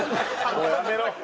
もうやめろ。